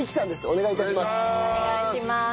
お願い致します。